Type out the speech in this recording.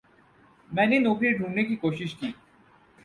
میں نے نوکری ڈھوڑھنے کی کوشش کی۔